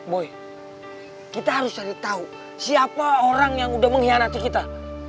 boy kita harus cari tahu siapa orang yang udah mengkhianati kita